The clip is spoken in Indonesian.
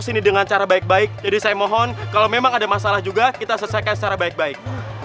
sini dengan cara baik baik jadi saya mohon kalau memang ada masalah juga kita selesaikan secara baik baik